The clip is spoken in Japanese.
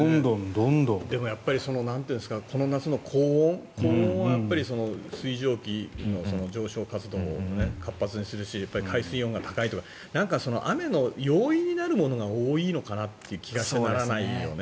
でも、なんていうんですかこの夏の高温は水蒸気の上昇活動を活発にするし海水温が高いとか雨の要因になるものが多いのかなという気がしてならないよね。